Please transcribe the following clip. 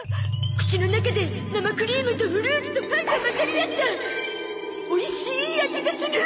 口の中で生クリームとフルーツとパンが混ざり合ったおいしい味がする！